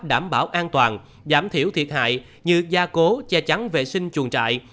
đảm bảo an toàn giảm thiểu thiệt hại như gia cố che chắn vệ sinh chuồng trại